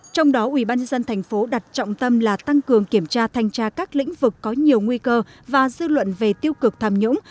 trong đó ubnd tp đặt trọng tâm là tăng cường kiểm tra thanh tra các lĩnh vực có nhiều nguy cơ và dư luận về tiêu cực tham nhũng